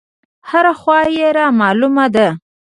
هره خوا يې رامالومه ده.